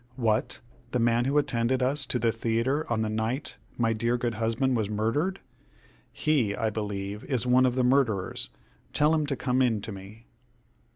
"What! the man who attended us to the theatre on the night my dear, good husband was murdered! He, I believe, is one of the murderers. Tell him to come in to me."